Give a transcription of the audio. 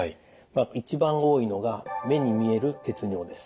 一番多いのが目に見える血尿です。